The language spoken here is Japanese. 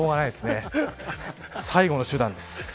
最後の手段です。